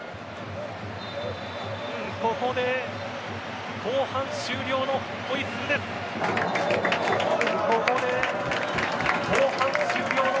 ここで後半終了のホイッスルです。